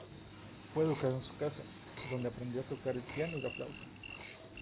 Fue educado en su casa, donde aprendió a tocar el piano y la flauta.